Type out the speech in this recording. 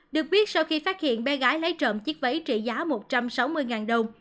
được biết sau khi phát hiện bé gái lấy trộm chiếc váy trị giá một trăm sáu mươi đồng